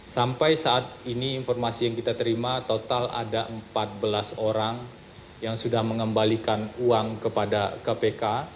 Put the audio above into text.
sampai saat ini informasi yang kita terima total ada empat belas orang yang sudah mengembalikan uang kepada kpk